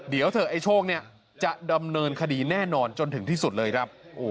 เดี๋ยวเถอะไอ้โชคเนี่ยจะดำเนินคดีแน่นอนจนถึงที่สุดเลยครับ